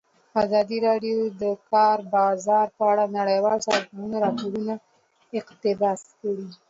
ازادي راډیو د د کار بازار په اړه د نړیوالو سازمانونو راپورونه اقتباس کړي.